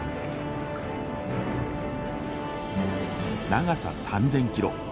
長さ３，０００キロ。